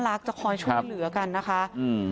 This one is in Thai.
ก็แค่อัดเจ็ดแล้วก็มวมแล้วก็จะให้ยา